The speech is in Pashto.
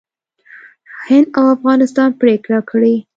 هند او افغانستان پرېکړه کړې